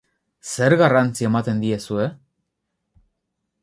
Zer garrantzi ematen diezue?